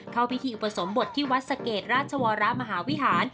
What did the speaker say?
เข้าพิธีอุปสมบทที่วัดสะเกดราชวรมหาวิหาร